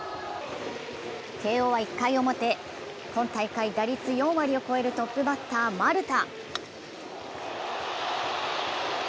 慶応は１回表、今大会打率４割を超えるトップバッター・丸田。